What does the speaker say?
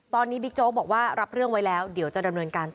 ตอนนี้บิ๊กโจ๊กบอกว่ารับเรื่องไว้แล้วเดี๋ยวจะดำเนินการต่อ